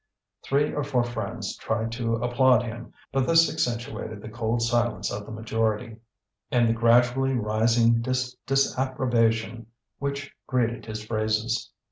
Three or four friends tried to applaud him, but this accentuated the cold silence of the majority, and the gradually rising disapprobation which greeted his phrases.